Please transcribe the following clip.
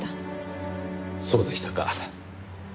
そうでしたか。